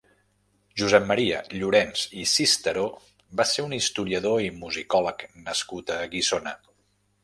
Josep Maria Llorens i Cisteró va ser un historiador i musicòleg nascut a Guissona.